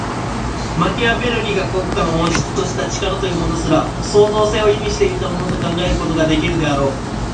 マキアヴェルリが国家の本質とした「力」というものすら、創造性を意味していたものと考えることができるであろう。